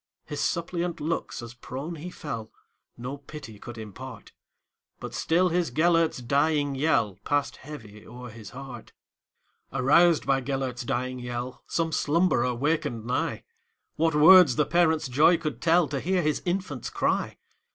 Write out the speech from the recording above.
His suppliant looks, as prone he fell, No pity could impart; But still his Gêlert's dying yellPassed heavy o'er his heart. Aroused by Gêlert's dying yell, Some slumberer wakened nigh:What words the parent's joy could tellTo hear his infant's cry!